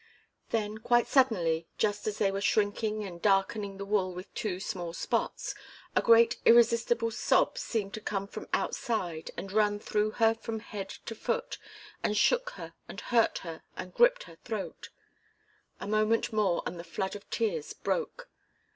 Then quite suddenly, just as they were shrinking and darkening the wool with two small spots, a great irresistible sob seemed to come from outside and run through her from head to foot, and shook her and hurt her and gripped her throat. A moment more and the flood of tears broke.